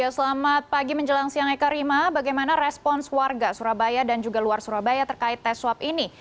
selamat pagi menjelang siang eka rima bagaimana respons warga surabaya dan juga luar surabaya terkait tes swab ini